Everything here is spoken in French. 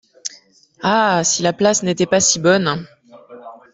Ah ! si la place n’était pas si bonne !…